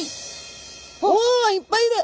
おいっぱいいる！